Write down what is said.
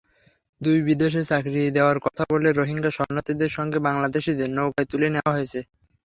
দুইবিদেশে চাকরি দেওয়ার কথা বলে রোহিঙ্গা শরণার্থীদের সঙ্গে বাংলাদেশিদের নৌকায় তুলে নেওয়া হয়েছে।